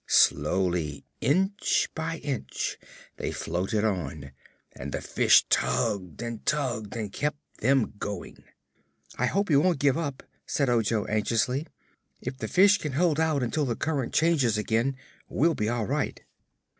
Slowly, inch by inch, they floated on, and the fish tugged and tugged and kept them going. "I hope he won't give up," said Ojo anxiously. "If the fish can hold out until the current changes again, we'll be all right."